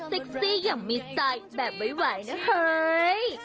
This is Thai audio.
เซ็กซี่อย่างมีใจแบบไวนะเฮ้ย